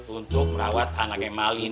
untuk merawat anaknya mali